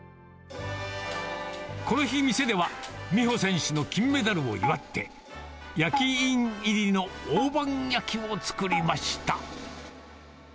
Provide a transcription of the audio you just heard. この日、店では、美帆選手の金メダルを祝って、焼き印入りの大判焼きを作りました。